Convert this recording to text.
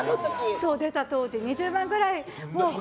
出た当時２０万ぐらいの。